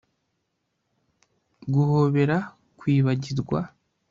guhobera kwibagirwa